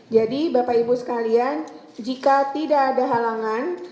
jika tidak ada halangan